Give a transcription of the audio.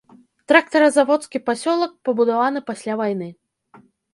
Трактаразаводскі пасёлак пабудаваны пасля вайны.